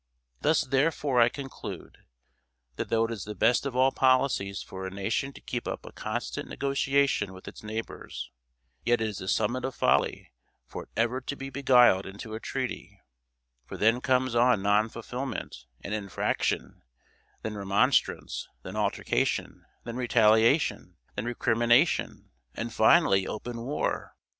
Thus, therefore, I conclude that though it is the best of all policies for a nation to keep up a constant negotiation with its neighbors, yet it is the summit of folly for it ever to be beguiled into a treaty; for then comes on non fulfillment and infraction, then remonstrance, then altercation, then retaliation, then recrimination, and finally open war.